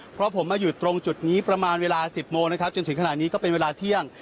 เพราะผมมาอยู่ตรงจุดนี้ประมาณเวลา๑๐โมงนะครับจนถึงขณะนี้ก็เป็นเวลาเที่ยง